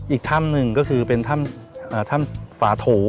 อีกถ้ำหนึ่งก็คือเป็นถ้ำฝาโถ